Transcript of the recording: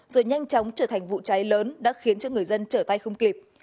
rồi nhanh chóng trở thành vụ cháy lớn đã khiến cho người dân trở tay không kịp